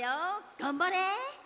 がんばれ！